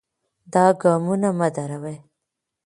دا ګامونه مه دروئ.